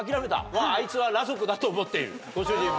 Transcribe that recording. もうあいつは裸族だと思っているご主人も。